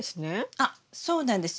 あっそうなんです。